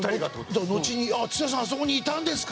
だからのちに「土田さんあそこにいたんですか！」。